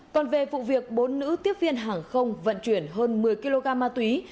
còn về vụ việc bốn nữ tiếp viên hàng không vận chuyển hơn một mươi kg ma túy